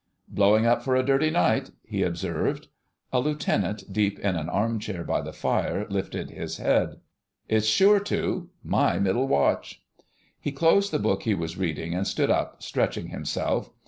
"Blowing up for a dirty night," he observed. A Lieutenant deep in an arm chair by the fire lifted his head. "It's sure to—my middle watch." He closed the book he was reading and stood up, stretching himself.